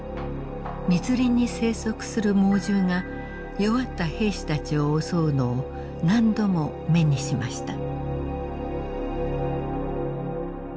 密林に生息する猛獣が弱った兵士たちを襲うのを何度も目にしました。